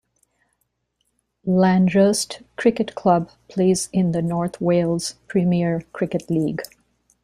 Llanrwst Cricket Club plays in the North Wales Premier Cricket League.